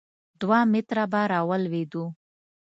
دوه متره به راولوېدو.